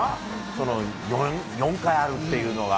その４回あるっていうのが。